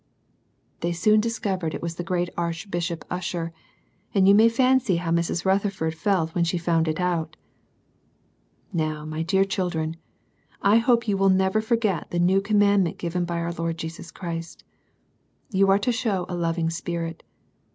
They soon discovered it was the great Archbishop Usher, and you may fancy how Mrs. Rutherford felt when she found it out ! Now, my dear children, I hope you will never forget the new commandment given by our Lord Jesus Christ. You are to show a loving spirit.